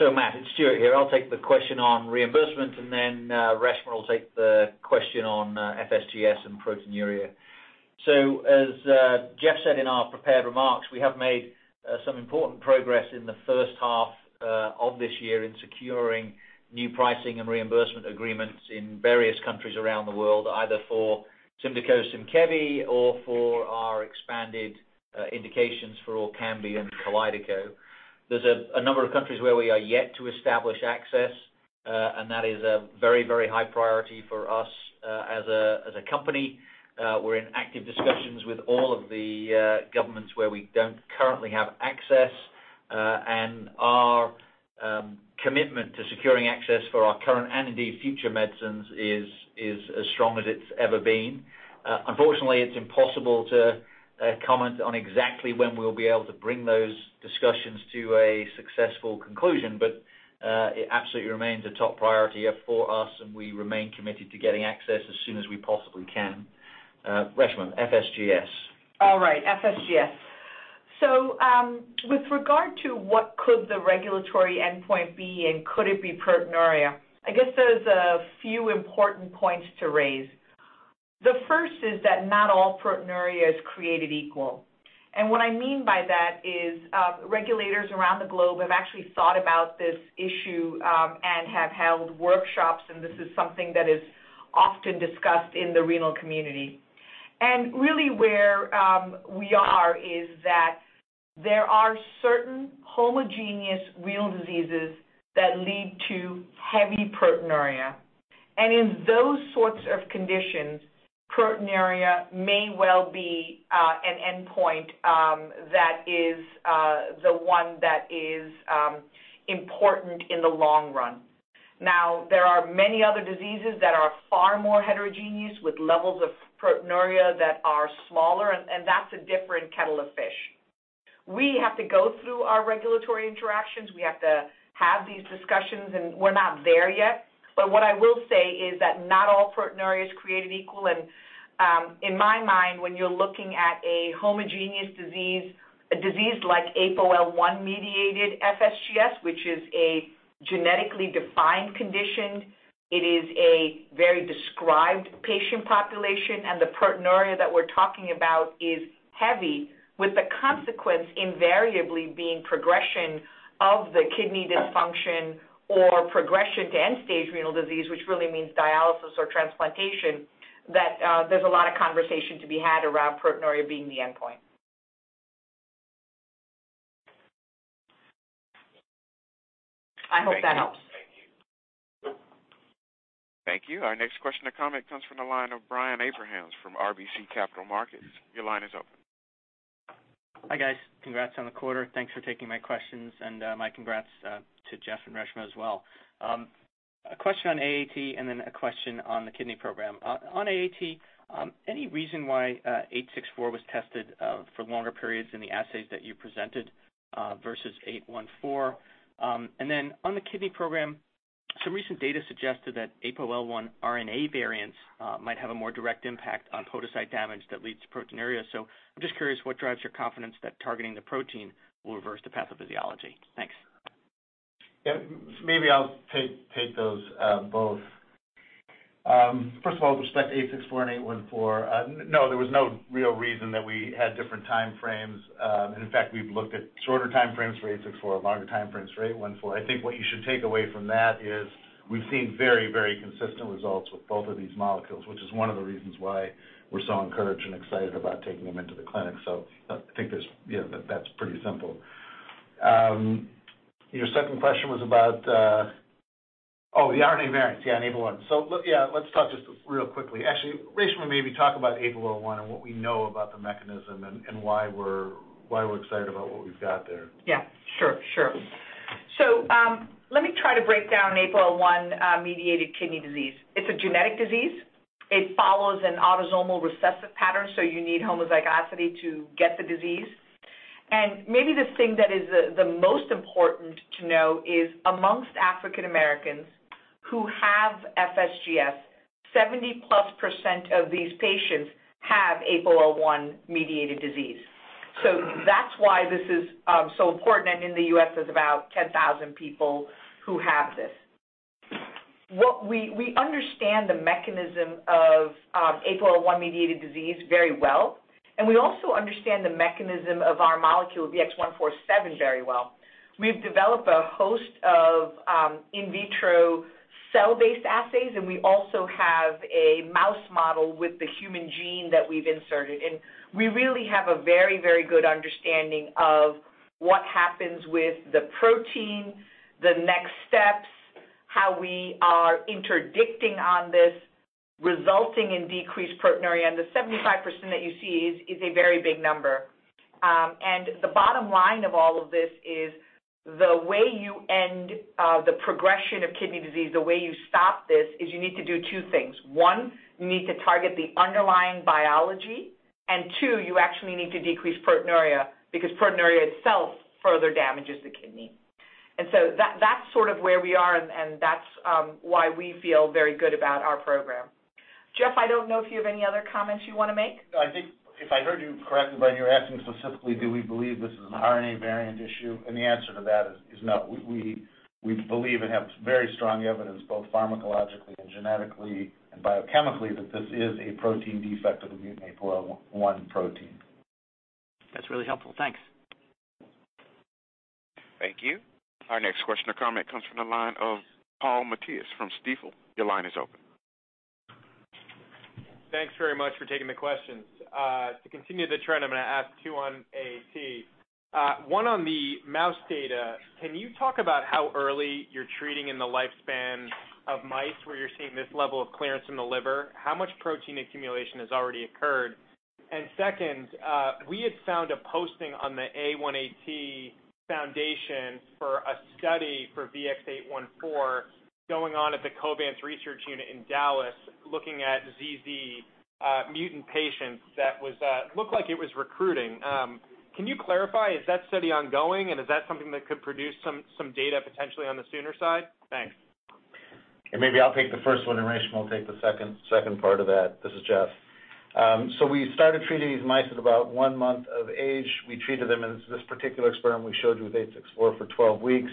Matthew, it's Stuart here. I'll take the question on reimbursement, and then Reshma will take the question on FSGS and proteinuria. As Jeffrey said in our prepared remarks, we have made some important progress in the first half of this year in securing new pricing and reimbursement agreements in various countries around the world, either for SYMDEKO and SYMKEVI or for our expanded indications for ORKAMBI and KALYDECO. There's a number of countries where we are yet to establish access, and that is a very high priority for us as a company. We're in active discussions with all of the governments where we don't currently have access, and our commitment to securing access for our current and indeed future medicines is as strong as it's ever been. Unfortunately, it's impossible to comment on exactly when we'll be able to bring those discussions to a successful conclusion, but it absolutely remains a top priority for us, and we remain committed to getting access as soon as we possibly can. Reshma, FSGS. All right. FSGS. With regard to what could the regulatory endpoint be and could it be proteinuria, I guess there's a few important points to raise. The first is that not all proteinuria is created equal. What I mean by that is regulators around the globe have actually thought about this issue, and have held workshops, and this is something that is often discussed in the renal community. Really where we are is that there are certain homogeneous renal diseases that lead to heavy proteinuria. In those sorts of conditions, proteinuria may well be an endpoint that is the one that is important in the long run. There are many other diseases that are far more heterogeneous with levels of proteinuria that are smaller, and that's a different kettle of fish. We have to go through our regulatory interactions. We have to have these discussions, and we're not there yet. What I will say is that not all proteinuria is created equal, and in my mind, when you're looking at a homogeneous disease, a disease like APOL1-mediated FSGS, which is a genetically defined condition. It is a very described patient population, and the proteinuria that we're talking about is heavy, with the consequence invariably being progression of the kidney dysfunction or progression to end-stage renal disease, which really means dialysis or transplantation, that there's a lot of conversation to be had around proteinuria being the endpoint. I hope that helps. Thank you. Our next question or comment comes from the line of Brian Abrahams from RBC Capital Markets. Your line is open. Hi, guys. Congrats on the quarter. Thanks for taking my questions, and my congrats to Jeffrey and Reshma as well. A question on AAT and then a question on the kidney program. On AAT, any reason why 864 was tested for longer periods in the assays that you presented versus 814? On the kidney program. Some recent data suggested that APOL1 RNA variants might have a more direct impact on podocyte damage that leads to proteinuria. I'm just curious what drives your confidence that targeting the protein will reverse the pathophysiology? Thanks. Yeah. Maybe I'll take those both. First of all, with respect to VX-864 and VX-814, no, there was no real reason that we had different time frames. In fact, we've looked at shorter time frames for VX-864 and longer time frames for VX-814. I think what you should take away from that is we've seen very consistent results with both of these molecules, Which is one of the reasons why we're so encouraged and excited about taking them into the clinic. I think that's pretty simple. Your second question was about the RNA variants in A1. Yeah, let's talk just real quickly. Actually, Reshma, maybe talk about APOL1 and what we know about the mechanism and why we're excited about what we've got there. Yeah. Sure. Let me try to break down APOL1-mediated kidney disease. It's a genetic disease. It follows an autosomal recessive pattern, you need homozygosity to get the disease. Maybe the thing that is the most important to know is amongst African Americans who have FSGS, 70%+ of these patients have APOL1-mediated disease. That's why this is so important, and in the U.S., there's about 10,000 people who have this. We understand the mechanism of APOL1-mediated disease very well, we also understand the mechanism of our molecule, VX-147, very well. We've developed a host of in vitro cell-based assays, we also have a mouse model with the human gene that we've inserted. We really have a very good understanding of what happens with the protein, the next steps, how we are interdicting on this, resulting in decreased proteinuria. The 75% that you see is a very big number. The bottom line of all of this is the way you end the progression of kidney disease, the way you stop this, is you need to do two things. One, you need to target the underlying biology, and two, You actually need to decrease proteinuria, because proteinuria itself further damages the kidney. That's sort of where we are, and that's why we feel very good about our program. Jeffrey, I don't know if you have any other comments you want to make. No, I think if I heard you correctly, you're asking specifically do we believe this is an RNA variant issue, and the answer to that is no. We believe and have very strong evidence, both pharmacologically and genetically and biochemically, that this is a protein defect of the mutant APOL1 protein. That's really helpful. Thanks. Thank you. Our next question or comment comes from the line of Paul Matteis from Stifel. Your line is open. Thanks very much for taking the questions. To continue the trend, I'm going to ask two on AAT. One on the mouse data, can you talk about how early you're treating in the lifespan of mice where you're seeing this level of clearance in the liver? How much protein accumulation has already occurred? Second, we had found a posting on the Alpha-1 Foundation for a study for VX-814 going on at the Covance research unit in Dallas, looking at ZZ mutant patients that looked like it was recruiting. Can you clarify, is that study ongoing, and is that something that could produce some data potentially on the sooner side? Thanks. Maybe I'll take the first one, and Reshma will take the second part of that. This is Jeffrey. We started treating these mice at about one month of age. We treated them in this particular experiment we showed you with VX-864 for 12 weeks.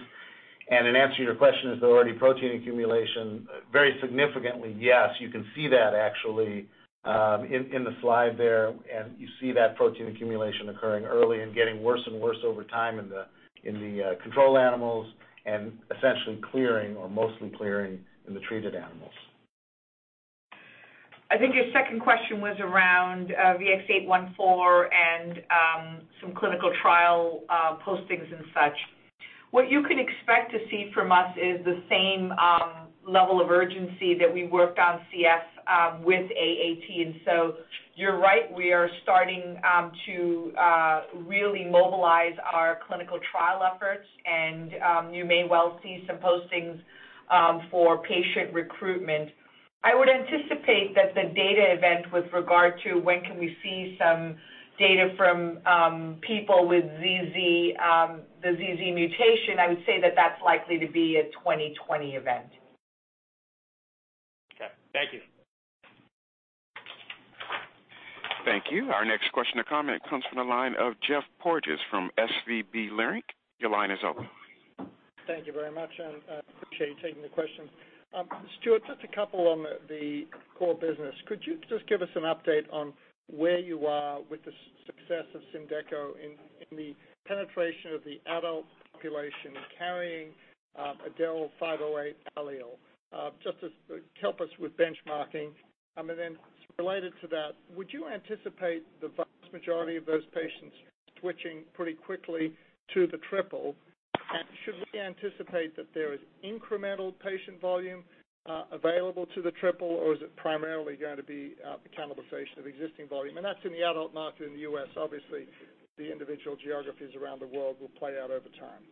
In answer to your question, is there already protein accumulation? Very significantly, yes. You can see that actually in the slide there, and you see that protein accumulation occurring early and getting worse and worse over time in the control animals, and essentially clearing or mostly clearing in the treated animals. I think your second question was around VX-814 and some clinical trial postings and such. What you can expect to see from us is the same level of urgency that we worked on CF with AAT. You're right, we are starting to really mobilize our clinical trial efforts, and you may well see some postings for patient recruitment. I would anticipate that the data event with regard to when can we see some data from people with the ZZ mutation, I would say that that's likely to be a 2020 event. Okay. Thank you. Thank you. Our next question or comment comes from the line of Geoffrey Porges from SVB Leerink. Your line is open. Thank you very much. I appreciate you taking the question. Stuart, just a couple on the core business. Could you just give us an update on where you are with the success of SYMDEKO in the penetration of the adult population carrying a F508del allele? Just to help us with benchmarking. Related to that, would you anticipate the vast majority of those patients switching pretty quickly to the triple? Should we anticipate that there is incremental patient volume available to the triple, or is it primarily going to be the cannibalization of existing volume? That's in the adult market in the U.S. Obviously, the individual geographies around the world will play out over time.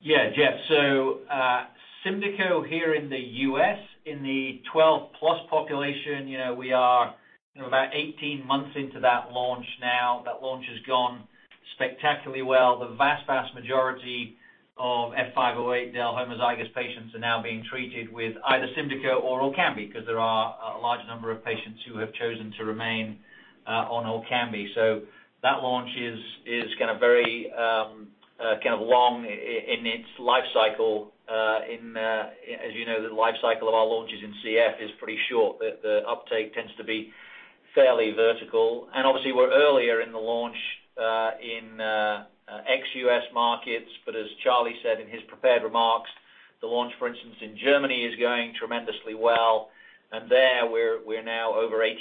Yeah, Jeffrey. Symdeko here in the U.S. in the 12+ population, we are about 18 months into that launch now. That launch has gone. Spectacularly well. The vast majority of F508 homozygous patients are now being treated with either SYMDEKO or ORKAMBI, because there are a large number of patients who have chosen to remain on ORKAMBI. That launch is very long in its life cycle. As you know, the life cycle of our launches in CF is pretty short. The uptake tends to be fairly vertical. Obviously we're earlier in the launch in ex-U.S. markets, but as Charles said in his prepared remarks, the launch, for instance, in Germany is going tremendously well. There, we're now over 80%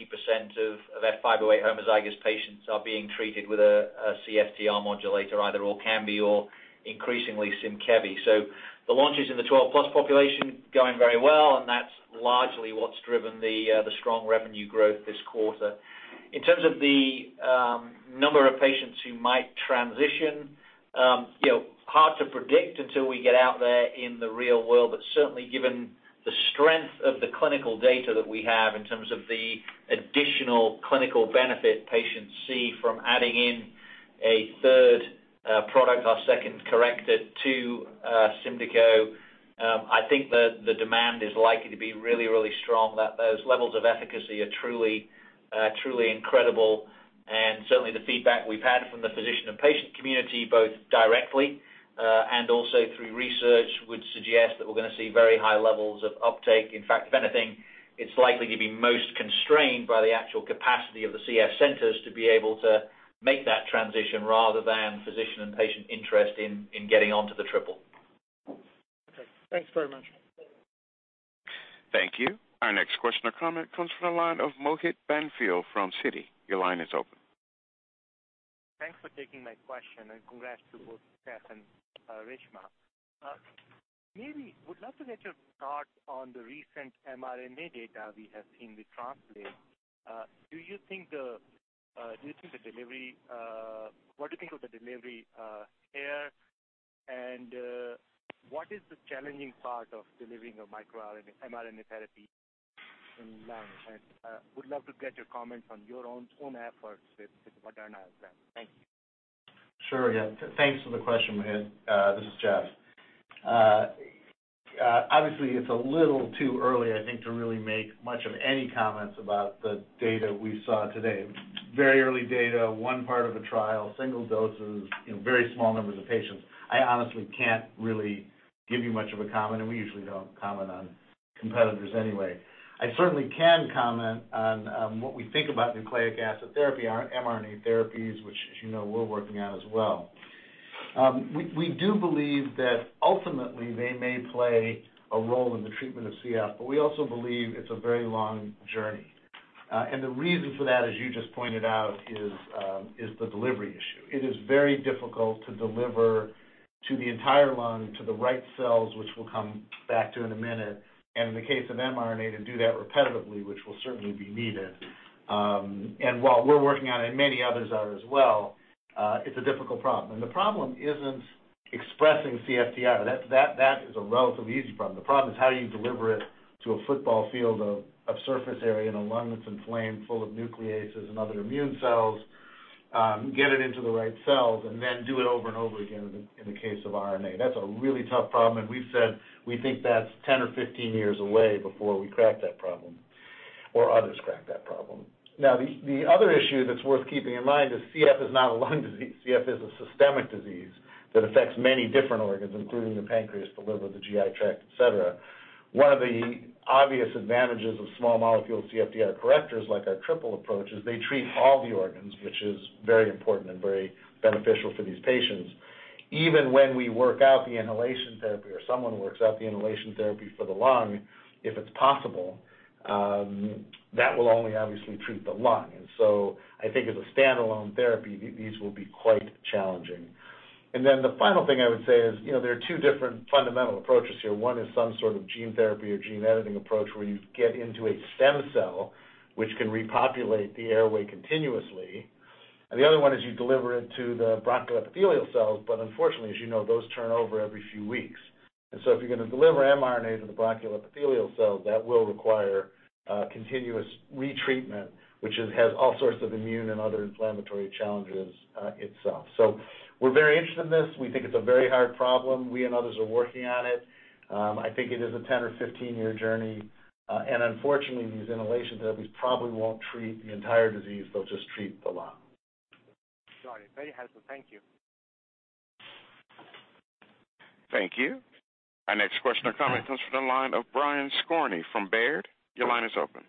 of F508 homozygous patients are being treated with a CFTR modulator, either ORKAMBI or increasingly SYMKEVI. The launches in the 12+ population are going very well, and that's largely what's driven the strong revenue growth this quarter. In terms of the number of patients who might transition, hard to predict until we get out there in the real world, but certainly given the strength of the clinical data that we have in terms of the additional clinical benefit patients see from adding in a third product, our second corrector to SYMDEKO, I think that the demand is likely to be really strong, that those levels of efficacy are truly incredible. Certainly the feedback we've had from the physician and patient community, both directly and also through research, would suggest that we're going to see very high levels of uptake. In fact, if anything, it's likely to be most constrained by the actual capacity of the CF centers to be able to make that transition rather than physician and patient interest in getting onto the triple. Okay. Thanks very much. Thank you. Our next question or comment comes from the line of Mohit Bansal from Citi. Your line is open. Thanks for taking my question. Congrats to both Jeffrey and Reshma. Maybe would love to get your thoughts on the recent mRNA data we have seen with Translate Bio. What do you think of the delivery here? What is the challenging part of delivering a mRNA therapy in lung? Would love to get your comments on your own efforts with Moderna as well. Thank you. Sure, yeah. Thanks for the question, Mohit. This is Jeffrey. Obviously, it's a little too early, I think, to really make much of any comments about the data we saw today. Very early data, one part of a trial, single doses in very small numbers of patients. I honestly can't really give you much of a comment, and we usually don't comment on competitors anyway. I certainly can comment on what we think about nucleic acid therapy, our mRNA therapies, which as you know, we're working on as well. We do believe that ultimately they may play a role in the treatment of CF, but we also believe it's a very long journey. The reason for that, as you just pointed out, is the delivery issue. It is very difficult to deliver to the entire lung, to the right cells, which we'll come back to in a minute, in the case of mRNA, to do that repetitively, which will certainly be needed. While we're working on it, and many others are as well, it's a difficult problem. The problem isn't expressing CFTR. That is a relatively easy problem. The problem is how you deliver it to a football field of surface area in a lung that's inflamed, full of nucleases and other immune cells, get it into the right cells, and then do it over and over again in the case of RNA. That's a really tough problem, we've said we think that's 10 or 15 years away before we crack that problem or others crack that problem. The other issue that's worth keeping in mind is CF is not a lung disease. CF is a systemic disease that affects many different organs, including the pancreas, the liver, the GI tract, et cetera. One of the obvious advantages of small molecule CFTR correctors like our triple approach is they treat all the organs, which is very important and very beneficial for these patients. Even when we work out the inhalation therapy or someone works out the inhalation therapy for the lung, if it's possible, that will only obviously treat the lung. I think as a standalone therapy, these will be quite challenging. The final thing I would say is, there are two different fundamental approaches here. One is some sort of gene therapy or gene editing approach where you get into a stem cell which can repopulate the airway continuously. The other one is you deliver it to the bronchial epithelial cells, but unfortunately, as you know, those turn over every few weeks. If you're going to deliver mRNA to the bronchial epithelial cell, that will require continuous retreatment, which has all sorts of immune and other inflammatory challenges itself. We're very interested in this. We think it's a very hard problem. We and others are working on it. I think it is a 10 or 15-year journey. Unfortunately, these inhalations, these probably won't treat the entire disease. They'll just treat the lung. Got it. Very helpful. Thank you. Thank you. Our next question or comment comes from the line of Brian Skorney from Baird. Your line is open.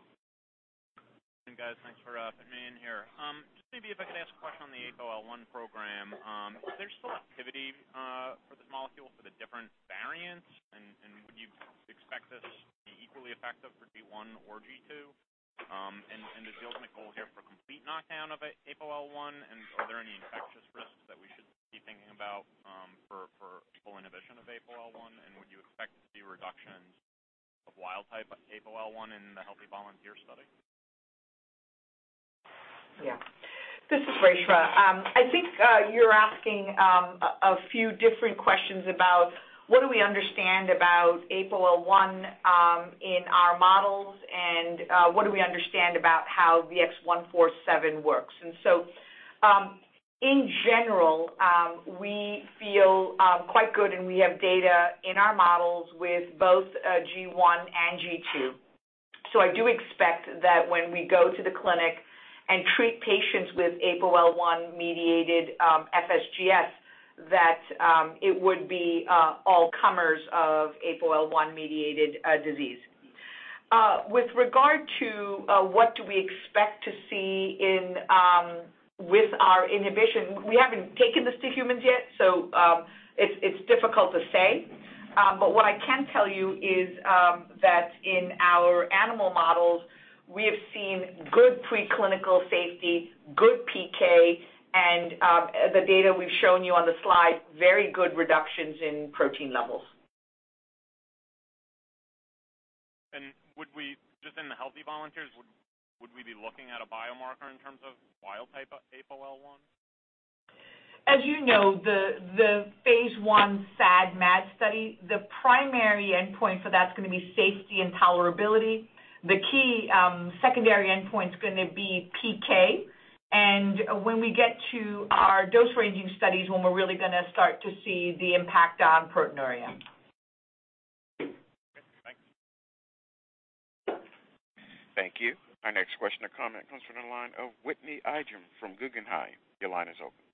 Hey guys, thanks for fitting me in here. Just maybe if I could ask a question on the APOL1 program. Is there still activity for this molecule for the different variants? Would you expect this to be equally effective for G1 or G2? Is the ultimate goal here for complete knockdown of APOL1? Are there any infectious risks that we should be thinking about for full inhibition of APOL1? Would you expect to see reductions of wild type APOL1 in the healthy volunteer study? Yeah. This is Reshma. I think you're asking a few different questions about what do we understand about APOL1 in our models and what do we understand about how VX-147 works. In general, we feel quite good and we have data in our models with both G1 and G2. I do expect that when we go to the clinic and treat patients with APOL1-mediated FSGS, that it would be all comers of APOL1-mediated disease. With regard to what do we expect to see with our inhibition, we haven't taken this to humans yet, so it's difficult to say. What I can tell you is that in our animal models, we have seen good preclinical safety, good PK, and the data we've shown you on the slide, very good reductions in protein levels. Just in the healthy volunteers, would we be looking at a biomarker in terms of wild type APOL1? As you know, the phase I SAD/MAD study, the primary endpoint for that's going to be safety and tolerability. The key secondary endpoint's going to be PK, and when we get to our dose ranging studies, when we're really going to start to see the impact on proteinuria. Okay, thank you. Thank you. Our next question or comment comes from the line of Whitney Ijem from Guggenheim. Your line is open.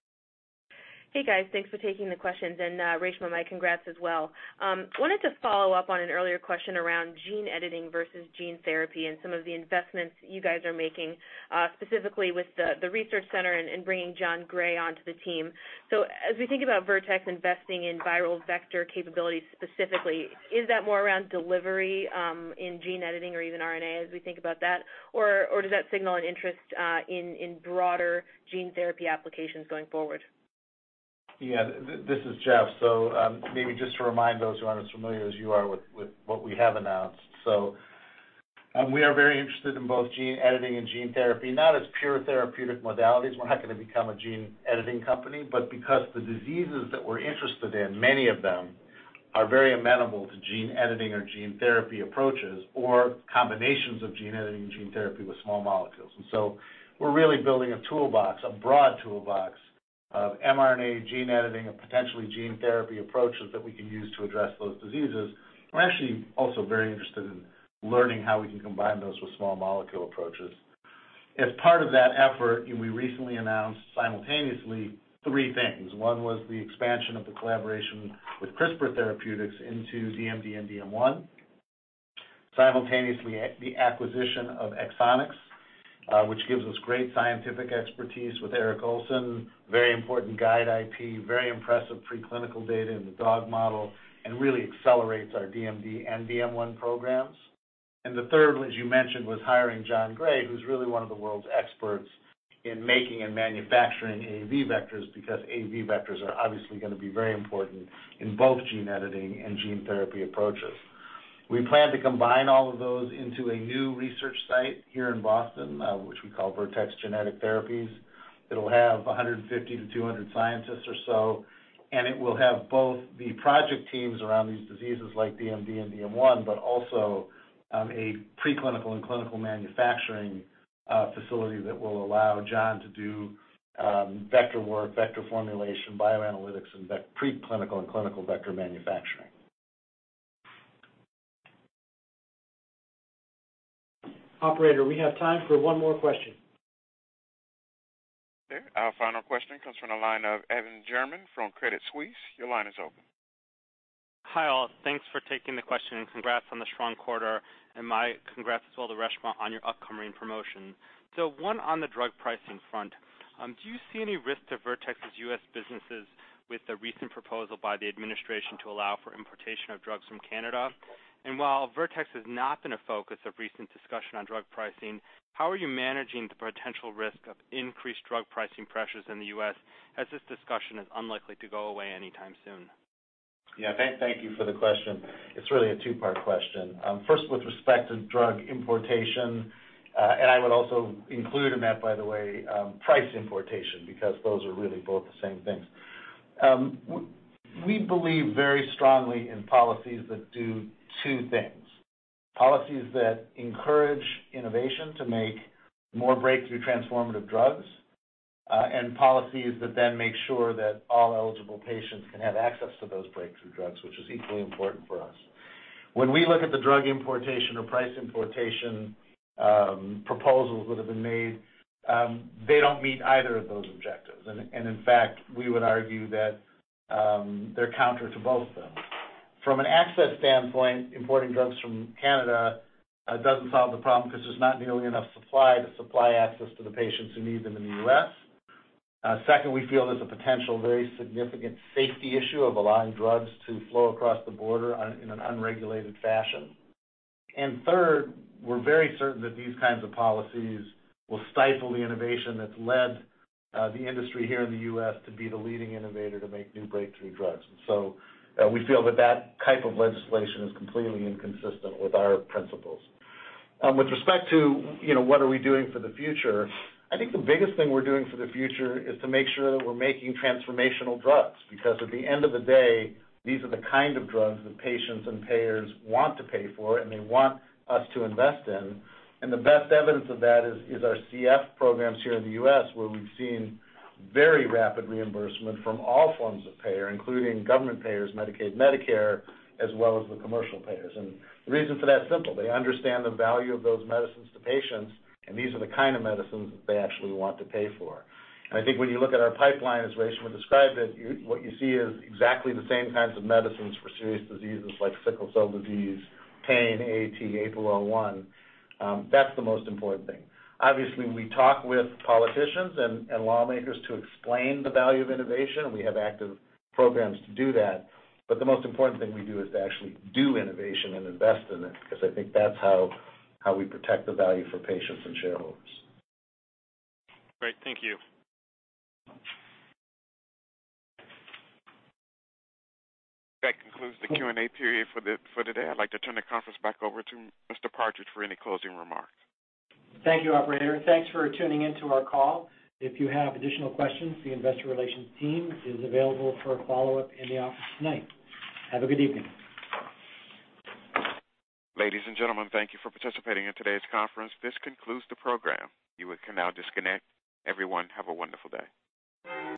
Hey, guys. Thanks for taking the questions, and Reshma, my congrats as well. Wanted to follow up on an earlier question around gene editing versus gene therapy and some of the investments you guys are making, specifically with the research center and bringing John T. Gray onto the team. As we think about Vertex investing in viral vector capabilities specifically, is that more around delivery in gene editing or even mRNA as we think about that, or does that signal an interest in broader gene therapy applications going forward? Yeah, this is Jeffrey. Maybe just to remind those who aren't as familiar as you are with what we have announced. We are very interested in both gene editing and gene therapy, not as pure therapeutic modalities. We're not going to become a gene editing company, but because the diseases that we're interested in, many of them are very amenable to gene editing or gene therapy approaches, or combinations of gene editing and gene therapy with small molecules. We're really building a toolbox, a broad toolbox of mRNA gene editing and potentially gene therapy approaches that we can use to address those diseases. We're actually also very interested in learning how we can combine those with small molecule approaches. As part of that effort, we recently announced simultaneously three things. One was the expansion of the collaboration with CRISPR Therapeutics into DMD and DM1. The acquisition of Exonics, which gives us great scientific expertise with Eric N. Olson, very important guide IP, very impressive preclinical data in the dog model, and really accelerates our DMD and DM1 programs. The third, as you mentioned, was hiring John Gray, who's really one of the world's experts in making and manufacturing AAV vectors, because AAV vectors are obviously going to be very important in both gene editing and gene therapy approaches. We plan to combine all of those into a new research site here in Boston, which we call Vertex Genetic Therapies. It'll have 150 to 200 scientists or so, and it will have both the project teams around these diseases like DMD and DM1, but also a preclinical and clinical manufacturing facility that will allow John to do vector work, vector formulation, bioanalytics, and preclinical and clinical vector manufacturing. Operator, we have time for one more question. Okay. Our final question comes from the line of Evan Seigerman from Credit Suisse. Your line is open. Hi, all. Thanks for taking the question, congrats on the strong quarter, my congrats to all the rest on your upcoming promotion. One on the drug pricing front. Do you see any risk to Vertex's U.S. businesses with the recent proposal by the administration to allow for importation of drugs from Canada? While Vertex has not been a focus of recent discussion on drug pricing, how are you managing the potential risk of increased drug pricing pressures in the U.S., as this discussion is unlikely to go away anytime soon? Yeah. Thank you for the question. It's really a two-part question. First, with respect to drug importation, I would also include in that, by the way, price importation, because those are really both the same things. We believe very strongly in policies that do two things, policies that encourage innovation to make more breakthrough transformative drugs, policies that then make sure that all eligible patients can have access to those breakthrough drugs, which is equally important for us. When we look at the drug importation or price importation proposals that have been made, they don't meet either of those objectives. In fact, we would argue that they're counter to both of them. From an access standpoint, importing drugs from Canada doesn't solve the problem because there's not nearly enough supply to supply access to the patients who need them in the U.S. Second, we feel there's a potential very significant safety issue of allowing drugs to flow across the border in an unregulated fashion. Third, we're very certain that these kinds of policies will stifle the innovation that's led the industry here in the U.S. to be the leading innovator to make new breakthrough drugs. We feel that that type of legislation is completely inconsistent with our principles. With respect to what are we doing for the future, I think the biggest thing we're doing for the future is to make sure that we're making transformational drugs, because at the end of the day, these are the kind of drugs that patients and payers want to pay for and they want us to invest in. The best evidence of that is our CF programs here in the U.S., where we've seen very rapid reimbursement from all forms of payer, including government payers, Medicaid, Medicare, as well as the commercial payers. The reason for that is simple. They understand the value of those medicines to patients, and these are the kind of medicines that they actually want to pay for. I think when you look at our pipeline, as Reshma described it, what you see is exactly the same kinds of medicines for serious diseases like sickle cell disease, pain, AAT, APOL1. That's the most important thing. Obviously, we talk with politicians and lawmakers to explain the value of innovation. We have active programs to do that, but the most important thing we do is to actually do innovation and invest in it, because I think that's how we protect the value for patients and shareholders. Great. Thank you. That concludes the Q&A period for today. I'd like to turn the conference back over to Mr. Partridge for any closing remarks. Thank you, operator. Thanks for tuning in to our call. If you have additional questions, the investor relations team is available for a follow-up in the office tonight. Have a good evening. Ladies and gentlemen, thank you for participating in today's conference. This concludes the program. You can now disconnect. Everyone, have a wonderful day.